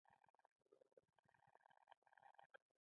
زده کړه به لږ تر لږه په لومړنیو دورو کې وړیا وي.